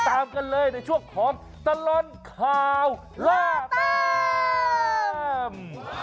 ตามกันเลยในช่วงของตลอดข่าวล่าแต้ม